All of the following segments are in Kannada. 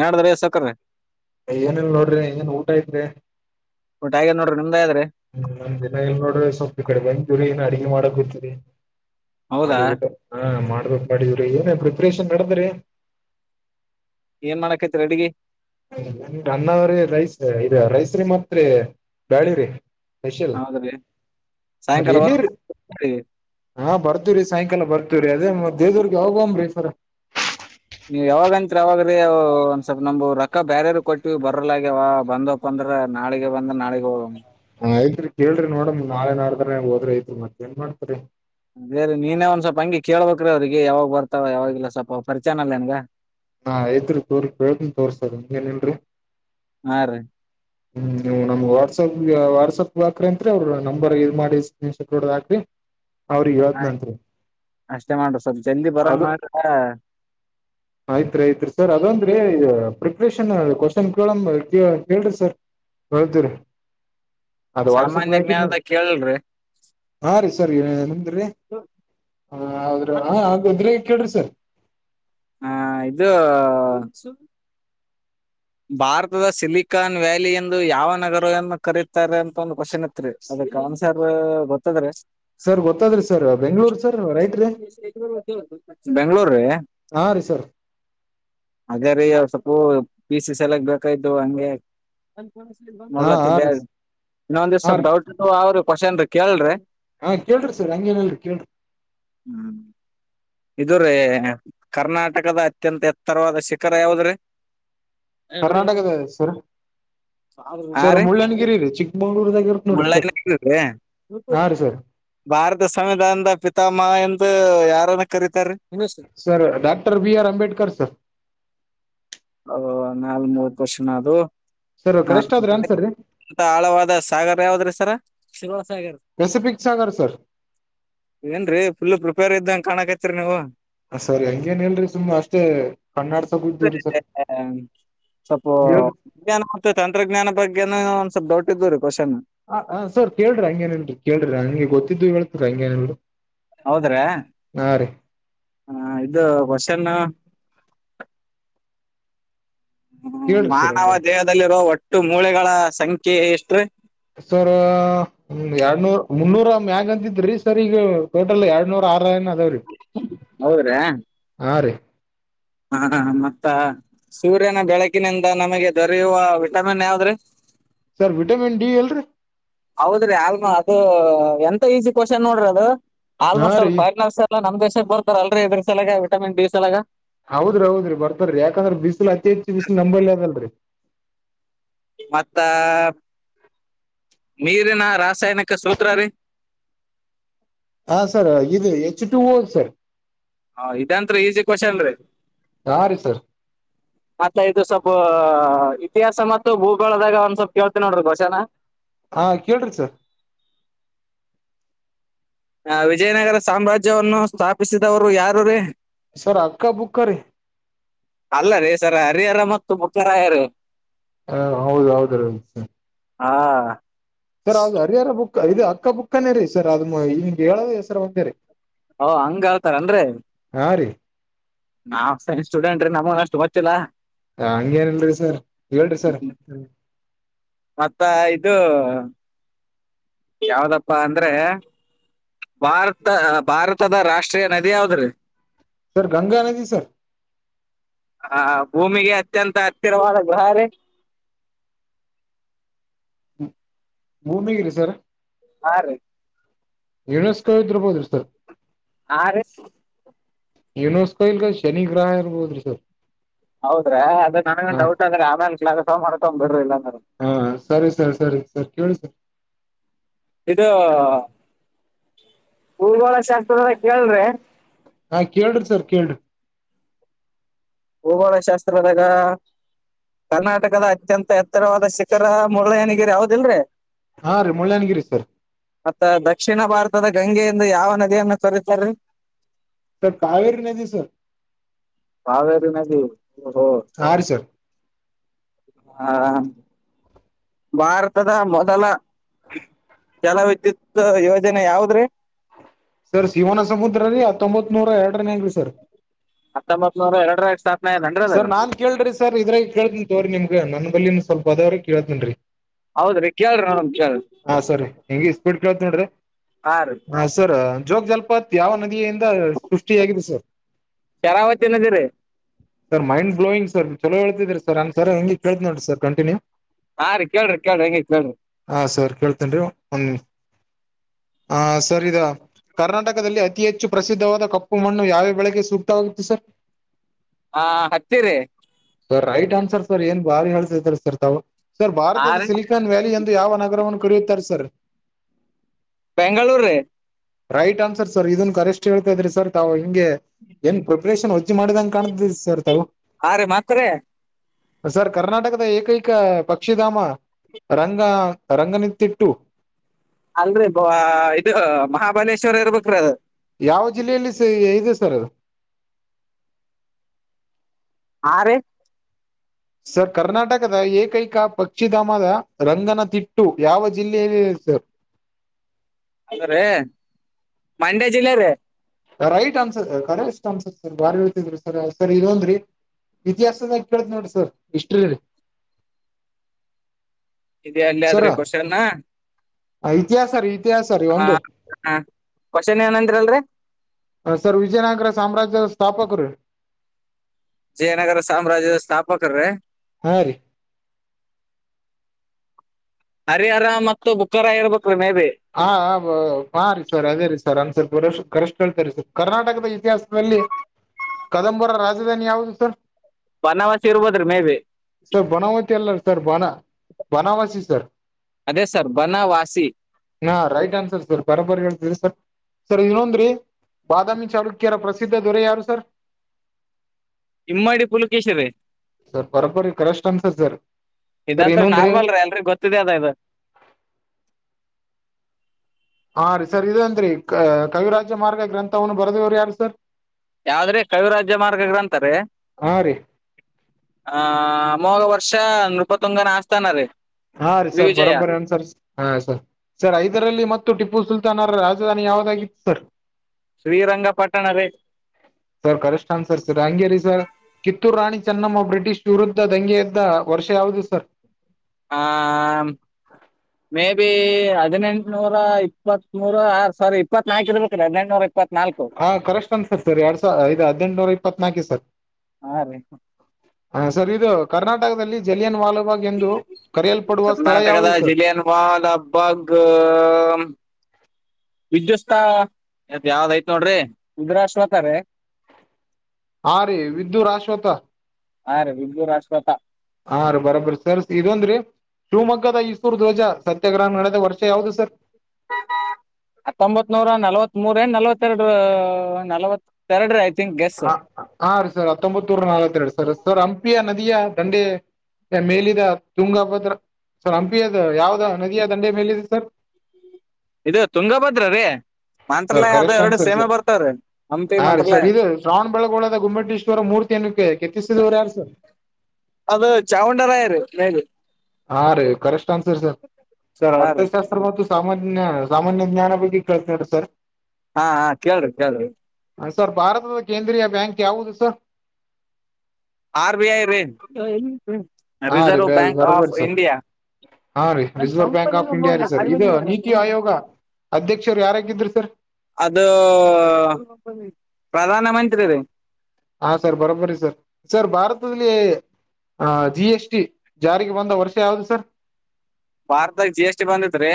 ಏನ್ ನಡದ್ರಿ ಸವ್ಕಾರ್ರೆ ಏನಿಲ್ಲ ನೋಡ್ರಿ ಏನ್ ಊಟ ಐತ್ರಿ ಊಟ ಆಗ್ಯದ ನೋಡ್ರಿ ನಿಮ್ದ ಆಗ್ಯದ್ರಿ ಹ್ಮ ನಮ್ದ್ ಇನ್ನ ಇಲ್ಲ ನೋಡ್ರಿ ಸೊಪ್ಪ ಈ ಕಡೆ ಬಂದ್ವಿರಿ ಅಡಗೆ ಏನ ಮಾಡಾಕತ್ತಾರಿ ಹೌದಾ ಮಾಡಿ ಊಟ ಮಾಡ ಏನ ಪ್ರಿಪರೇಷನ್ ನಡದದರಿ ಏನ್ ಮಾಡಕತ್ತಿರಿ ಅಡ್ಗಿ ಅನ್ನ ರಿ ರೈಸ್ ರಿ ಮತ್ ಬ್ಯಾಳಿ ರೀ ಹೌದ್ರೀ ಎಲ್ಲಿರಿ ಬರ್ತಿವ್ರಿ ಸಾಯಂಕಾಲ ಬರ್ತವ್ ಅದೇ ಮತ್ ದೇದುರ್ಗ ಯೋಗಂಬ್ರಿ ಸರ ನೀವ್ ಯಾವಾಗತ್ ಯಾವಾಗ್ರೆ ಒಂದ ಸ್ವಲ್ಪ್ ನಮು ರಕ್ಕ ಬರ್ಯಾರ ಕೊಟ್ಟೀ ಬರಲ ಆಗ್ಯವ ಬಂದಪ್ಪಂದ ನಾಳೆಗೆ ಬಂದ್ರ ನಾಳೆ ಹೋಗಮ್ ಆಯ್ತ್ರಿ ಕೇಳ್ರಿ ನೋಡಮ್ ನಾಳೆ ನಡ್ಡ ಹೋದ್ರಿಯಐತ್ರಿ ಮತ್ತತ್ ಏನ್ ಮಾಡ್ತರಿ ಬೇರಿ ನೀನೇ ಒಂದ್ ಸ್ವಲ್ಪ ಹಂಗಿ ಕೇಳ್ಬೇಕ್ರೀ ಅವ್ರಿಗೆ ಯಾವಾಗ್ ಬರ್ತಾವ ಯಾವಾಗಲ್ಲ ಸ್ವಲ್ಪ ಪರಿಚಯನ ಅನಲ್ಲ ನಿಂಗ ನಾ ಐತ್ರು ತೋರ್ ಕಳ್ತನ್ ತೋರ್ಸರ್ ನಿಂಗ ನೇನ್ರಿ ಹಾ ರೀ ಹ್ಮ್ ನೀವು ನಮ್ಗೆ ವಾಟ್ಸಪ್ ವಾಟ್ಸಪ್ ಹಾಕ್ರಿ ಅಂರಿ ಅವ್ರರು ನಂಬರ್ ಇ ಇದ ಮಾಡಿ ಸ್ಕ್ರೀನ್ಡಾಕ್ರಿ [unintelligible] ಆಯ್ತು ಅಷ್ಟೇನ ಸ್ವಲ್ಪ ಜಲ್ದಿ ಬರಂಗ್ ಮಾಡ್ರಿ ಮಾರೆ ಆಯ್ತ್ ರೀ ಪ್ರೀಫೆರ್ ಅದದ್ರೀ ಪ್ರಿಪರೇಷನ್ ಕ್ವಾಶನ್ ಕೇಳಿಂ ರೀ ಕೇಳ್ ರೀ ಸರ್ ಹೇಳತ್ತೀರಿ ಅದು ವಾಟ್ಸಪ್ ಸಾಮಾನ್ಯ ಗೆ ಹಾಕಿದ್ ನೋಡೂ ಜ್ಞಾನದಾಗ ಕೇಳಲ್ರಿ ಹಾ ರೀ ಸರ್ ಏನದ್ ರೀ ಆ ಕೇಳ್ರಿ ಸರ್ ಹಾ ಇದು ಸ್ ಭಾರತದ ಸಿಲಿಕಾನ್ ವ್ಯಾಲಿ ಎಂದು ಯಾವ ನಗರವನ್ನು ಕರೀತಾರೆ ಅಂತ ಒಂದು ಕ್ವಶನ್ ಇತ್ರಿ ಅದಕ್ ಆನ್ಸರೂ ಗೊತ್ತಾದ್ ರೀ ಸರ್ ಗೊತ್ತಾದ್ರಿ ಸರ್ ಬೆಂಗ್ಳೂರ್ ಸರ್ ರೈಟ್ ರೀ ಬೆಂಗಳೂರ್ ಹ್ಮ್ ರೀ ಹಾ ರೀ ಸರ್ ಹಾಗ ರೀ ಅವು ಸ್ವಪು ಪಿ ಸಿ ಸಲಕ್ ಬೇಕಾಯ್ದು ಹಂಗೆ ಹಾ ಹಾ ನೋಡ್ಲತ್ತಿದ್ದೇ ರೀ ಹಾ ಇನ್ನೊಂದಷ್ಟೀ ರೀ ಡೌಟ್ ಇದ್ದವು ಅವ್ರರು ಕ್ವಾಶನ್ ರೀ ಕೇಳಲ್ ರೀ ಹಾ ಕೇಳ್ರಿ ಸರ್ ಹಂಗೇನಲ್ರಿ ಕೇಳ್ರಿ ಇದು ರೀ ಕರ್ನಾಟಕದ ಅತ್ಯಂತ ಎತ್ತರವಾದ ಶಿಖರ ಯಾವುದ್ರೀ ಕರ್ನಾಟಕದ ಸರು ಹಾ ಸರ್ ರೀ ಮುಳ್ಳನಗಿರಿ ಚಿಕ್ಕಮಂಗಳೂರ್ದಾಗ ಇರುತ್ ನೋಡ್ರಿ ಸರ್ ಮುಳ್ಳಯ್ಯನಗಿರಿ ರೀ ಹಾ ರೀ ಸರ್ ಭಾರತ ಸಂವಿಧಾನದ ಪಿತಾಮಹ ಎಂದು ಯಾರನ್ನ ಕರೀತಾರ ರೀ sir doctor B R Ambedkar sir ನಾಲ್ ಮೂವರ್ ಕ್ವಾಶನ್ ಅದವು ಸರ್ ಕರೆಷ್ಟ ಆದ್ ಅನ್ಸರ್ ರೀ ಮಂತ ಆಳವಾದ ಸಾಗರ ಯಾವದ್ರೀ ಸರ ಶಿವಸಾಗರ್ ಪಿಪಿಕ್ಸಸಾಗರ್ ಸರ್ ಏನ್ರರಿ ಪುಲ್ ಪ್ರಿಪೇರ್ ಇದ್ದಂಗ ಕಾಣಕತ್ರೀ ರೀ ನೀವು ಸರ್ ಹಂಗೇನ್ ಹೇಳರಿ ಸುಮ್ಮ್ ಅಷ್ಟೇ ಕಣ್ಣಾಡ್ಸಗ್ದಿವ್ರಿ ಸರ್ ಹ ಸ್ವಲ್ಪ ಹೇಳ್ರಿ ವಿಜ್ಞಾನ ಮತ್ತೆ ತಂತ್ರಜ್ಞಾನ ಬಗ್ಗೆ ನ ಒಂದ್ ಸ್ವಲ್ಪ್ ಡೌಟ್ ಇದ್ರಿ ಹ ಹಾ ಸರ್ ಕೇಳ್ರಿ ಹಂಗೇನಲ್ರರಿ ಕೇಳ್ರಿ ಹಂಗೆ ಗೊತ್ತಿದ್ದು ಹೇಳೇತ್ರಿ ಹಂಗೇನಲ್ರಿ ಹೌದ್ರೆ ಹ ಇದು ಕೋಷನ್ ಹ್ಮ ಕೇಳ್ರಿ ಸರ್ ಮಾನವ ಹಂಗೇನ್ ದೇಹದಲ್ಲಿರುವೋ ಒಟ್ಟು ಮೂಳೆಗಳ ಸಂಖ್ಯೆ ಎಷ್ಟ್ರೀ ಸರ್ ಎರಡ್ನೂರ್ ಮುನ್ನೂರ ಯಂಗಂತಿದ್ರೀ ಸರ್ ಈಗ ಟೋಟಲ್ ಎರಡ್ನೂರು ಟ್ರೈನ್ ಆದ ರೀ ಹಾ ಮತ್ತ ಸೂರ್ಯನ ಬೆಳಕಿನಿಂದ ನಮಗೆ ದೊರೆಯುವ ವಿಟಮಿನ್ ಯಾವದ್ ರೀ ಸರ್ ವಿಟಮಿನ್ ಡಿ ಎಲ್ರಿ ಹೌದ್ರಿ ಅಲ್ಮ ಅದು ಒಂಟು ಈಸಿ ಕ್ವಾಶನ್ ನೋಡ್ರಿ ಅದು ಹಾ ಆಲ್ಮೋಸ್ಟ್ ರೀ ಅಲ್ ಫರೀನರ್ಸ ಎಲ್ಲಾ ನಮ್ ದೇಶ ಬರ್ತಾರ ಅಲ್ರಿ ಇದ್ರ ಸಲಾಗ ವಿಟಮಿನ್ ಡಿ ಸಲಾಗ ಹೌದ್ರಿ ಹೌದ್ರಿ ಬರ್ತಾರರೀ ಯಾಕಂದ್ರೆ ಬಿಸಿಲು ಅತಿ ಹೆಚ್ಚಿ ಬಿಸಿಲು ನಂಬಲ್ಲಿ ಅದಲ್ರರಿ ಮತ್ತಾ ನೀರಿನ ರಾಸಾಯನಿಕ ಸೂತ್ರಾ ರೀ ಹಾ ಸರ್ ಇದು ಎಚ್ ಟು ಓ ಸರ್ ಹಾ ಇದಂತ್ರೂ ಈಸಿ ಕ್ವಾಶನ್ ರೀ ಹಾ ರೀ ಸರ್ ಪಾಪ ಇದು ಸಬ ಇತಿಹಾಸ ಮತ್ತು ಭೂಗೋಳದಾಗ ಒಂದ್ ಸ್ವಲ್ಪ್ ಕೇಳ್ತಿ ನೋಡ್ರಿ ಕ್ವಾಶನ ಹಾ ಕೇಳರಿ ಸರ್ ಆ ವಿಜಯನಗರ ಸಾಮ್ರಾಜ್ಯವನ್ನು ಸ್ಥಾಪಿಸಿದವರು ಯಾರು ರೀ ಸರ್ ಆಕ್ಕ ಬುಕ್ಕ ರೀ ಅಲ್ಲ ರೀ ಸರಾ ಹರಿಹರ ಮತ್ತು ಬಕ್ಕರಾಯರು ರೀ ಹಾ ಹೌದ ಹೌದು ರೀ ಹಾ ಸರ್ ಅದು ಹರಿಹರ ಬುಕ್ ಇದು ಅಕ್ಕ ಬುಕ್ನೇ ರೀ ಸರ್ ಅದ ಹಿಂಗ್ ಹೇಳೋದ ಹೆಸರು ಅಂತೆ ರೀ ಓ ಹಂಗ ಹೇಳತರೆ ಏನ್ ರೀ ಆರೆ ನಾವ್ ಸೈನ್ಸ್ ಸ್ಟೂಡೆಂಟ್ ರೀ ನಮನ್ ಅಷ್ಟು ಗೊತ್ತಿಲ್ಲಾ ಹಂಗೇನಿಲ್ರಿ ಸರ್ ಹೇಳ್ರಿ ಸರ್ ಮತ್ತ ಇದು ಹ ಯಾವ್ದಪ್ಪಾ ಅಂದ್ರೆ ಭಾರತ ಭಾರತದ ರಾಷ್ಟ್ರೀಯ ನದಿ ಯಾವದ್ರೀ ಸರ್ ಗಂಗಾನದಿ ಸರ್ ಆ ಭೂಮಿಗೆ ಅತ್ಯಂತ ಹತ್ತಿರವಾದ ಗ್ರಹಾರಿ ಭೂಮಿ [unintelligible] ಸರ್ ಹಾ ರೀ ಯುನೆಸ್ಕೋ ಇದ್ರಬೋದ್ರಿ ಸರ್ ಹ ರ ಯುನೋಸ್ಕೊ ಇಲ್ಗ ಶನಿಗ್ರಹ ಇರ್ಬೋದ್ರಿ ಸರ್ ಹೌದ್ರೀ ಅದ ನನಗ ಹ ಡೌಟ್ ಅಂದ್ರೆ ಆಮೇಲೆ ಕಲ್ ಹೊ ತಗೊಂಡ್ ಬಿಡ್ರಿ ಇಲ್ಲ ಅಂದ್ರ ಹ ಸರಿ ಸರ್ ಸರಿ ಸರ್ ಕೇಳಿ ಸರ್ ಇದು ಊರ್ವಾಳ ಶಾಸ್ತ್ರ ಕೇಳ್ರೆ ಹಾ ಕೇಳ್ರಿ ಸರ್ ಕೇಳ್ರಿ ಭೂಗೋಳ ಶಾಸ್ತ್ರದಾಗ ಕರ್ನಾಟಕದ ಅತ್ಯಂತ ಉತ್ತರವಾದ ಶಿಖರ ಮುರಳಯ್ಯನಿಗೆರಿ ಯಾವದಲ್ರರಿ ಹಾ ರೀ ಮುಳ್ಳಯನಗಿರಿ ಸರ್ ಮತ್ತ ದಕ್ಷಿಣ ಭಾರತದ ಗಂಗೆಯಿಂದ ಯಾವ ನದಿಯನ್ನ ತೊರೀತಾರೆ ಸರ್ ಕಾವೇರಿ ನದ ಸರ್ ಕಾವೇರಿ ನದಿ ಆರು ಸರ್ ಹಾ ಭಾರತದ ಮೊದಲ ಜಲ ವಿದ್ಯುತ್ ಯೋಜನೆ ಯಾವದ್ರೀ ಸರ್ ಶಿವನ ಸಮುದ್ರ ರೀ ಹತ್ತೊಂಬತ್ ನೂರ ಎರಡನ ಅಂಗ್ರೀ ಸರ್ ಹತ್ತೊಂಬತ್ ನೂರ ಎರಡ ಸಾ ಸರ್ ನಾನ್ ಕೇೇಳ್ರಿ ಸರ್ ಇದ್ರ ಕೇಳ್ತನಿ ತವ್ರಿ ನಿಮ್ಗ ನನ್ ಬಲ್ಲಿ ಸ್ವಲ್ಪ ಅದೇವ್ರ ಕೇಳ್ತನ್ರಿ ಹೌದ್ರಿ ಕೇಳ್ರ ನ ಹ ಸರಿ ಹೆಂಗ ಸ್ಪೀಡ್ ಕೇಳ್ತ್ ನೋಡ್ರಿ ಹಾ ರೀ ಹೆಸರ ಜೋಗ ಜಲಪತ್ ಯಾವ ನದಿಯಿಂದ ಸೃಷ್ಟಿಯಾಗಿದೆ ಸರ್ ಶರಾವತಿ ನದಿ ರೀ ಸರ್ ಮೈಂಡ್ ಬ್ಲೋಗ್ ಸರ್ ಚಲೋ ಹೇಳದ್ರ ಸರ್ಂದ್ ಸರ್ ಹೆಂಗ ಕೇಳ್ತ ನೋರರಿ ಸರ್ ಕಂಟನ್ಯೂ ಹಾ ರೀ ಕೇಳ್ರಿ ಕೇಳ್ರಿ ಹೆಂಗಿ ಕೇಳ್ರಿ ಹ ಸರ್ ಕೇಳ್ತೇನ್ ಒಂದ ಹ ಸರ್ ಇದ ಕರ್ನಾಟಕದಲ್ಲಿ ಅತಿ ಹೆಚ್ಚು ಪ್ರಸಿದ್ಧವಾದ ಕಪ್ಪು ಮಣ್ಣು ಯಾವ್ಯ ಬೆಳೆಗೆ ಸೂಕ್ತವಾಗತ್ತು ಸರ್ ಹಾ ಹತ್ತಿರಿ ಸರ್ ರೈಟ್ ಆನ್ಸರ್ ಸರ್ ಏನ್ ಬಾರಿ ಹೇಳಳ್ಸಿದಾರೆ ಸರ್ ತಾವು ಸರ್ ಹಾ ಭಾರತದ ರೀ ಸಿಲಿಕಾನ್ ವ್ಯಾಲಿ ಎಂದು ಯಾವ ನಗರವನ್ನು [unintelligible] sir Bengaluru right answer sir ಇದನ್ ಕರೆಸ್ ಹೇಳ್ತಾ ಇದ್ರಿ ಸರ್ ತಾವು ಹಿಂಗೆ ಏನ್ ಪ್ರಿಪ್ರೇಷನ್ ಹೊಚ್ಚಿ ಮಾಡಿದಗೆ ಕಾಣ್ತ ಹಾ ರ ಮಾತ್ರಾರೆ ಸರ್ ಕರ್ನಾಟಕದ ಏಕೈಕ ಪಕ್ಷಿಧಾಮ ರಂಗ ರಂಗನಿತ್ಯ ತ ತಿಟ್ಟು ಅಲ್ರಿ ಬ ಇದು ಮಹಾಬಲೇಶ್ವರ ಇರ್ಬೇಕ್ರಿ ಅದು ಯಾವ ಜಿಲ್ಲೆಯಲ್ಲಿ ಇದೆ ಸರ್ ಅದು ಹಾ ರೀ ಸರ್ ಕರ್ನಾಟಕದ ಎ ಕೈಕ ಪ ಪಕ್ಷಿಧಾಮದ ರಂಗನತಿಟ್ಟು ಯಾವ ಜಿಲ್ಲೆಯಲ್ಲಿ ಸರ್ ಅದ ರೀ ಮಂಡ್ಯ ಜಿಲ್ಲೆ ರೀ right answer correct answer sir ಬಾರ್ ಹೇಳ್ತಿದ್ರಿ ಸರ್ ಸರಿ ಇ ಒನ್್ರರಿ ಇತಿಹಾಸ ಕಳ್ತ ನೋಡಿ ಸರ್ ಹಿಸಟ್ರಲ್ಲಿ ಇ ಅಲ್ಲಿ ಆದ್ರೆ ಬರ್ಷನ ಇತಿಹಾಸ ರೀ ಇತಿಹಾಸ ರೀ ಹಾ ಒಂದು ಹ ಕ್ವೆಶ್ಚನ್ ಏನಂದ್ರಿ ಅಲ್ರಿ ಸರ್ ವಿಜಯನಗರ ಸಾಮ್ರಾಜ್ಯದ ಸ್ಥಾಪಕರು ವಿಜಯನಗರ ಸಾಮ್ರಾಾಜ್ಯ ಸ್ಥಾಪಕರ ರ ಹಾ ರೀ ಹರಿಹರ ಮತ್ತು ಬುಕ್ಕಾರ ಇರ್ಬೇಕು ಹಾ ಹಾ ರೀ ಸರ್ ಅದೇ ರೀ ಸರ್ ಅಂದ್ ಸ್ವಲ್ಪ್ರ [unintelligible] ಹೇಳ್ತಾರೆ ಸರ್ ಕರ್ನಾಟಕದ ಇತಿಹಾಸದಲ್ಲಿ ಕದಂಬರ ರಾಜಧಾನಿ ಯಾವುದು ಸರ್ ಬನವಾಸಿ ಇರ್ಬೋದ್ರಿ ಮೇ ಬಿ ಸರ್ ಬನವಾಸಿ ಎಲ್ಲಾರ ಸರ್ ಬಣ ಬನವಾಸಿ ಸರ್ ಅದೇ ಸರ್ ಬನವಾಸಿ ಹಾ ರೈಟ್ ಆನ್ಸರ್ ಸರ್ ಬರಾಬರಿ ಹೇಳ್ತರಿ ಸರ್ ಸರ್ ಇನ್ನೊಂದ್ರೀ ಬಾದಾಮಿ ಚಾಲುೂಕ್ಯರ ಪ್ರಸಿದ್ಧ ದೊರೆ ಯಾರು ಸರ್ ಇಮ್ಮಡಿ ಪುಲಕೇಶಿರಿ ಸರ್ ಬರಂಪರಿ ಕಷ್ಟನ್ಸ ಸರ್ [unintelligible] ಇದಂ ಇನ್ನೊಂದ್ರಿ ನಾರ್ಮಲ್ರೀ ಅಲ್ರಿ ಗೊತ್ತಿದೆ ಅದ ಇ [unintelligible] ಹಾ ರೀ ಸರ್ ಇದೇನ್ರರಿ ಕವಿರಾಜ್ಯ ಮಾರ್ಗ ಗ್ರಂಥವನ್ನು ಬರದವ್ರು ಯಾರು ಸರ್ ಯಾವ್ದ್ರೆ ಕವಿರಾಜ್ಯ ಮಾರ್ಗ ಗ್ರಂಥ ಅಂತಾರೆ ಹಾ ರೀ ಅಮೋಘವರ್ಷ ನೃಪತ್ತೊಂಗನ್ಸ್ತಾನ ರೀ ಹಾ ರೀ ಸರ್ ಶ್ರೀವಿಜಯ ಬರೋಬರಿ ಅಏನ್ಸರ್ ಹಾ ಸರ್ ಸರ್ ಹೈದರಾಲಿ ಮತ್ತು ಟಿಪ್ಪು ಸುಲ್ತಾನ್ ರಾಜಧಾನಿ ಯಾವದಾಗಿತ್ತು ಸರ್ ಶ್ರೀರಂಗಪಟ್ಟಣ ರೀ ಸರ್ ಕರೆಷ್ಟನ್ ಸರ್ ಸರ್ ಅಂಗೇರಿ ಸರ್ ಕಿತ್ತೂರು ರಾಣಿ [unintelligible] [unintelligible] ಚೆನ್ನಮ್ಮ ಬ್ರಿಟಿಷ್ ವಿರುದ್ಧ ದಂಗೆ ಎದ್ದ ವರ್ಷ ಯಾವುದು ಸರ್ ಹಾ ಮ ಹದಿನೆಂಟ್ನೂರ ಇಪ್ಪತ್ೂರ ಆರ್ ಸಾರಿ ಇಪ್ಪತ್ ನಾಲ್ಕು ಇರ್ಬೇಕ್ರ ಹದಿನೆಂಟ ನನೂರ [unintelligible] ಹಾ ಕರೆಸ್ಟ್ ಅಂದ ಸರ್ ಸರ್ ಎರಡ್ ಸಾವ ಐ್ ಹದಿನೆಂಟುನೂರು ಇಪ್ಪತ್ನಾಕು ಸರ್ ಸ ಹಾ ಹ ಸರ್ ಇದು ಕರ್ನಾಟಕ ಕರ್ನಾಟಕದಲ್ಲಿ ಜಲಿಯನ್ ವಾಲಬಾಗ್ ಎಂದು ಕರೆಯಲ್ಪಡುವ ಸ್ಥಳ ಕರ್ನಾಟಕದ ಯಾವುದು ಸರ್ ಜಿಲಿಯನ್ ವಾಲ್ ಹಬ್ಬಗ್ [unintelligible] ವಿದ್ಯುತ್ತದ ಯಾವ್ದಐ್ತ್ ನೋಡ್ರಿ ಉಂದ್ರಾ ಶೋತಾರ [unintelligible] ಹಾ ರೀ ವಿದ್ದುರಾಶ್ವತ ಹಾ ರೀ ವಿಧುರಾಶ್ವಥ ಹಾ ರೀ ಬರಬರಿ ಸರ್ ಇದೊಂದ್ರೀ ಶಿವಮೊಗ್ಗದ ಈಸೂರು ಧ್ವಜ ಸತ್ಯಗ್ರಹ ನಡೆದ ವರ್ಷ ಯಾವವುದು ಸರ್ ಹತ್ತೊಂಬತ್ ನೂರ ನಲ್ವತ್ ಮೂೂರ ಏ ನಲ್ವತ್ತೆರಡು ನಲ್ವತ್ ಹ ಹಾ ರೀ ಸರ್ ಹತ್ತೊಂಬತ್ೂರ ನಾಲ್ತ್ತೆರಡು ಸರ್ ಸರ್ ಹಂಪಿಯಾ ನದಿಯ ದಂಡೆ ಮೇಲಿದ ತುಂಗ ಹಬ್ಬದ್ರ ಸ [unintelligible] ಅದ ಯಾವ್ದ ನದಿಯ ದಂಡೆ ಮೇಲ ಇಿದೆ ಸರ್ ಇದು ತುಂಗಭದ್ರ ರೀ ಸರ್ ಮಂತ್ರಾಲಯ ಅದು ಕರೆಸ್ ಅನ್ ಎರಡು ಸರ್ ಸೇಮೆ ಸರ್ ಬರ್ತಾವ್ರೀ ಹಂಪಿ ಹಾ ರೀ ಮಂತ್ರಾಲಯ ಸರ್ ಇದು ಶ್ರಾವಣಬಳಗೋಳದ ಗುಮ್ಮಟೀೇಶ್ವರ ಮೂರು [unintelligible] ಕೆತ್ತಸದವರ್ ಯಾರು ಸರ್ ಅದು ಚಾವುಂಡರಾಯ ರೀ ಮೇಲಿ ಹಾ ರೀ ಕರೆಕ್ಟ್ ಆನ್ಸರ್ ಸರ್ ಸರ್ ಹಾ ರೀ ಅರ್ ಮ [unintelligible] ಸಾಮಾನ್ಯ ಸಾಮಾನ್ಯ ಜ್ಞಾನ ಬಗ್ಗೆ ಕೇಳ್ತಾರೆ ಸರ್ ಹಾ ಹಾ ಕೇಳ್ರಿ ಕೇಳಿ ಸರ್ ಭಾರತದ ಕೇಂದ್ರೀಯ ಬ್ಯಾಂಕ್ ಯಾವುದು ಸರ್ ಆರ್ ಬಿ ಐ ರೇ ಹಾ ರ ಬ ಬರಬರ್ ಸ ಹಾ ರೀ ರಿಸರ್ವ್ ಬ್ಯಾಂಕ್ ಆಫ್ ಇಂಡಿಯಾ ರೀ ಸರ್ ಇದು ನೀತಿ ಆಯೋಗ ಅಧ್ಯಕ್ಷರು ಯಾರಾಗಿದ್ರು ಸರ್ ಅದು ಪ್ರಧಾನ ಮಂತ್ರಿ ರೀ ಹಾ ಸರ್ ಬರೋಬ್ರರಿ ಸರ್ ಸರ್ ಭಾರತದಲ್ಲಿ ಆ ಜಿ ಎಸ್ಟಿ ಜಾರಿಗೆ ಬಂದ ವರ್ಷ ಯಾವದು ಸರ್ ಭಾರತಾಗ ಜಿ ಎಸ್ಟಿ ಬಂದತ್ ರೀ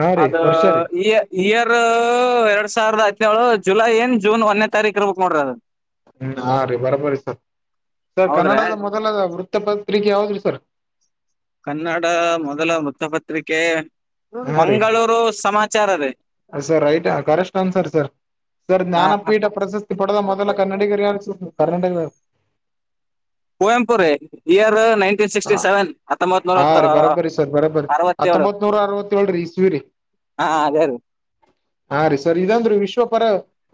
ಹಾ ರೀ ಅದ ವರ್ಷ ರೀ ಇಯ ಇಯರ್ ಎರಡ್ ಸಾವಿರದ ು ಜುಲೈ ಏನ್ ಜೂನ್ ಒಂದೇ ತಾರೀಕು ಇರ್ಬೇಕಕ್ ನೋಡ್ರಿ ಅದು. ಹ್ಮ ಹಾ ರೀ ಬರಬ್ರರಿ ಸರ್ ಸರ್ ಹೌದ್ರೆ ಕನ್ನಡದ ಮೊದಲ ವೃತ್ತ ಪತ್ರಿಕೆ ಯಾವ್ದ್ರಿ ಪ್ಪ ಕನ್ನಡ ಮೊದಲ ವೃತಪತ್ರಿಕೆ ಹಾ ರೀ ಮಂಗಳೂರು ಸಮಾಚಾರವೇ ಸರ್ ಐಟ್ ಕರೆಸ್ ಅನ್ ಸರ್ ಸರ್ ಸರ್ ಹ ಜ್ಞಾನಪೀಠ ಪ್ರಶಸ್ತಿ ಪಡೆದ ಮೊದಲ ಕನ್ನಡಿಗರ್ ಯಾರು ಕರ್ನ್ನಡಿಗ ಕುವೆಂಪರ ಇಾರ ನೈನ್ಟೀನ್ ಸಿಕ್ಸ್ಟಿ ಸೆವೆನ್ ಹತ್ತೊಂಬತ್ ನೂರ ಹಾ ರೀ ಬರೋಬ್ಬರಿ ಸರ್ ಬರೋಬ್ಬರಿ ಅರವತ್ತೇಳು ಹತ್ತೊಂಬತ್ ನೂರ ಅರವತ್ತೇಳ್ರಿ ಇಸ್ವಿರಿ ಹಾ ಅದೇ ಅದೇ ಹಾ ರೀ ಸರ್ ಇದಂದ್ರೆ ವಿಶ್ವ ಪರ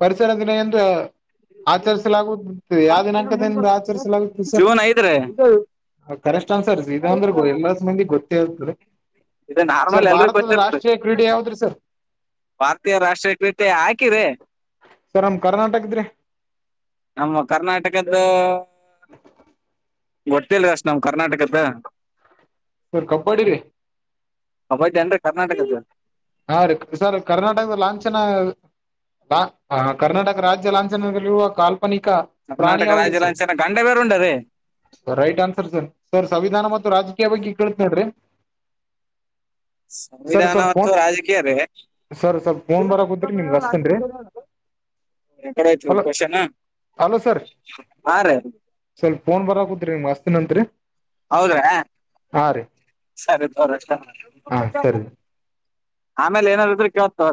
ಪರಿಸರ ದಿನ ಎಂದ ಆಚರಿಸಲಾಗುತ್ತ ಯಾವ ದಿನಾಂಕದಿಂದ ಆಚರಿಸಲಾಗುತ್ತೆ ಸರ್ ಜೂನ್ ಐದ್ರಿ ಕರೆಕ್ಟ್ ಅನ್ಸರ್ ಇ ಅಂದ್ರೆ ಎಲ್ಲ ಮಂದಿ ಗೊತ್ತಿ ಇದು ಸರ್ ನಾರ್ಮಲ್ ಎಲ್ರಿಗೂ ಭಾರತದ ಗೊತ್ತಿರ್ತ್ರಿ ರಾಷ್ಟ್ರೀಯ ಕ್ರೀಡೆ ಯಾವದ್ರಿ ಸರ್ ಭಾರತೀಯ ರಾಷ್ಟ್ರೀಯ ಕೃತೆ ಹಾಕಿರಿ ಸರ್ ನಮ ಕರ್ನಾಟಕ ಇದ್ರಿ ನಮ್ಮ ಕರ್ನಾಟಕದ ಗೊತ್ತೇಲ್ಷ್ಟ ನಾವ್ ಕರ್ನಾಟಕದ ಸರ್ ಕಬ್ಬಡಿ ರೀ ಅವೈದ್ ಏನ್ರಿ ಕರ್ನಾಟಕದ ಹಾ ರ ಸರ್ ಕರ್ನಾಟಕದ ಲಾಂಛನ ಹ ಕರ್ನಾಟಕ ರಾಜ್ಯ ಲಾಂಛನದಲ್ಲಿುವ ಕಾಲ್ ಪ ಈಕ ಪ್ರಾಣಿ ಕರ್ನಾಟಕ ಅವದು ರಾಜ್ಯ ಲಾಂಛನ ಗಂಡ ಬೇರೆ ಉಂಡರಿ sir right answer sir sir ಸಂವಿಧಾನ ಮತ್ತು ರಾಜಕೀಯ ಬಗ್ಗೆ ಕೇತ್ ನೋಡ್ರಿ ಸರ್ ಸಂವಿಧಾನ ಸ್ವಲ್ಪ ಮತ್ತು ಫೋನ್ ರಾಜಕೀಯದೇ [inaudible] ಸರ್ ಸ್ವಲ್ಪ ಫೋನ್ ಬರಕೂತ್ರಿ ನಿಮ್ಗೆ ಹಸ್ತೇನ್ರಿ ಹಲೋ ಹಾ ರ ಸ್ವಲ್ ೋನ್ ಬರಕುದತ್ೀ ಮಸ್ತ್ಿನ ಅತ್ರಿ ಹೌದ್ರಾ ಸರಿ ತ ಹಾ ಸರಿ ಆಮೇಲೆೈನ ರತ ಕೆವ ತ